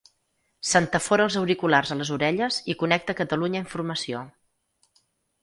S'entafora els auriculars a les orelles i connecta Catalunya Informació.